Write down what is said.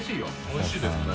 おいしいですね。